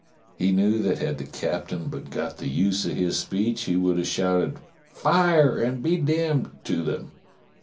He knew that had the captain but got the use of his speech he would have shouted, "Fire! and be damned to 'em!"